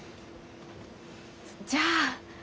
じゃあ。